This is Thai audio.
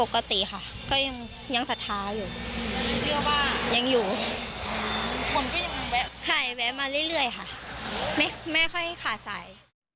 ขายแวะมาเรื่อยค่ะไม่ค่อยขาดใส